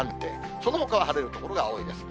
そのほかは晴れる所が多いです。